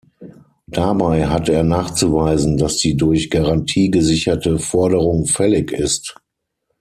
Dabei hat er nachzuweisen, dass die durch Garantie gesicherte Forderung fällig ist.